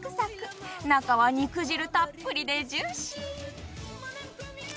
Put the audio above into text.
中は肉汁たっぷりでジューシー。